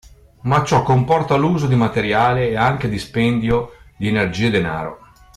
Ma ciò comporta l’uso di materiale e anche dispendio di energie e denaro.